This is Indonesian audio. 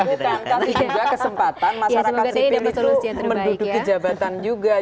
tapi juga kesempatan masyarakat sipil itu menduduki jabatan juga